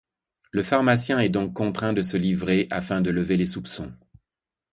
Le pharmacien est donc contraint de se livrer afin de lever les soupçons.